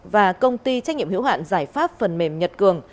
và công ty trách nhiệm hiểu hạn giải pháp phần mềm nhật cường